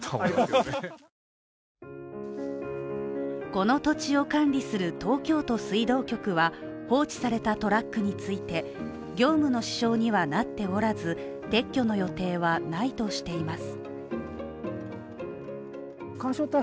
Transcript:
この土地を管理する東京都水道局は放置されたトラックについて業務の支障にはなっておらず撤去の予定はないとしています。